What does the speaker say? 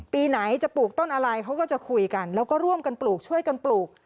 ปีไหนจะปลูกต้นอะไรเขาก็จะคุยกันแล้วก็ร่วมกันปลูกช่วยกันปลูก